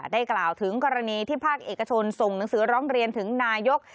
ได้กล่าวถึงกรณีที่ภาคเอกชนส่งหนังสือร้องเรียนถึงนายก